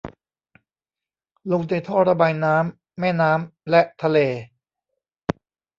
ลงในท่อระบายน้ำ แม่น้ำ และทะเล